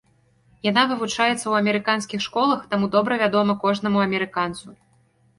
Яна вывучаецца ў амерыканскіх школах, таму добра вядома кожнаму амерыканцу.